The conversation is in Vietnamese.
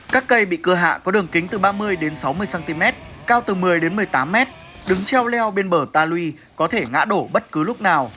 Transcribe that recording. các cây bị cưa hạ có đường kính từ ba mươi đến sáu mươi cm cao từ một mươi một mươi tám m đứng treo leo bên bờ ta lui có thể ngã đổ bất cứ lúc nào